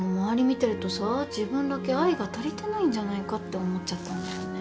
見てるとさ自分だけ愛が足りてないんじゃないかって思っちゃったんだよね。